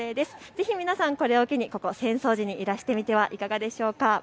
ぜひ皆さん浅草寺にいらしてみてはいかがでしょうか。